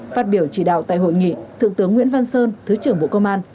phát biểu chỉ đạo tại hội nghị thượng tướng nguyễn văn sơn thứ trưởng bộ công an